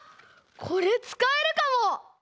これつかえるかも！